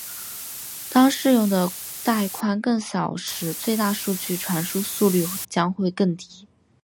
当适用的带宽更小时最大数据传输速率将会更低。